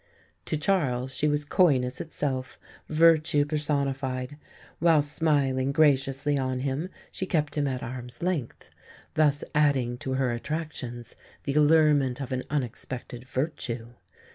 To Charles she was coyness itself virtue personified. While smiling graciously on him she kept him at arm's length, thus adding to her attractions the allurement of an unexpected virtue.